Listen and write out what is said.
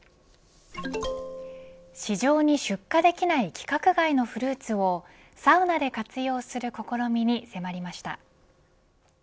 市場に出荷できない規格外のフルーツをサウナで活用する試みに迫りました。